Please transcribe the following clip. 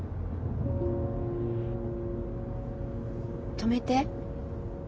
止めて。